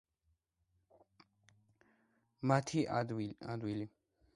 მთა ადვილი დასალაშქრია.